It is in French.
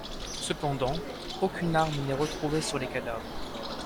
Cependant, aucune arme n'est retrouvée sur les cadavres.